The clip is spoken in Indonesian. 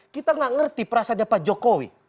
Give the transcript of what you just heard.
kita gak ngerti perasanya pak jokowi